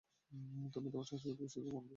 তুমি তোমার সাহসিকতা ও বিশ্বস্ততার প্রমাণ দিয়েছ।